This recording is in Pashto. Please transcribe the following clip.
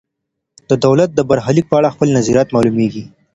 ده د دولت د برخلیک په اړه خپل نظریات معلوميږي.